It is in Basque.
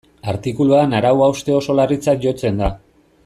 Artikuluan arau hauste oso larritzat jotzen da.